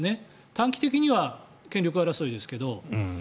短期的には権力争いですけど。